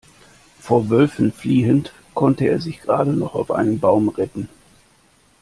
Vor Wölfen fliehend konnte er sich gerade noch auf einen Baum retten.